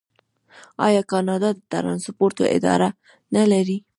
آیا کاناډا د ټرانسپورټ اداره نلري؟